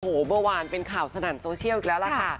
โอ้โหเมื่อวานเป็นข่าวสนั่นโซเชียลอีกแล้วล่ะค่ะ